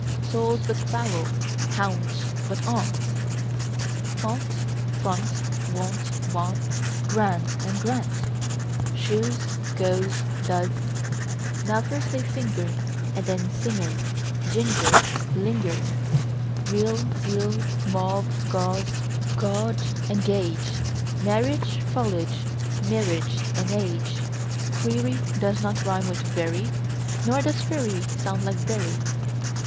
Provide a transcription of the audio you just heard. Soul, but foul and gaunt, but aunt; Font, front, wont; want, grand, and, grant, Shoes, goes, does.) Now first say: finger, And then: singer, ginger, linger. Real, zeal; mauve, gauze and gauge; Marriage, foliage, mirage, age. Query does not rime with very, Nor does fury sound like bury.